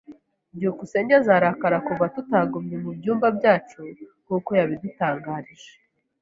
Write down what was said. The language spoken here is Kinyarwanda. byukusenge azarakara kuva tutagumye mubyumba byacu nkuko yabidutangarije.